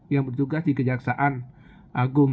yang bertugas di kejaksaan agung